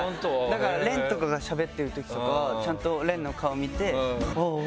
だから廉とかがしゃべってるときとかはちゃんと廉の顔見て。